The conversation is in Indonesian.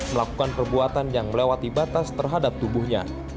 melakukan perbuatan yang melewati batas terhadap tubuhnya